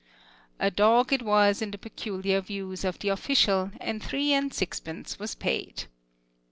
A dog it was in the peculiar views of the official, and three and sixpence was paid.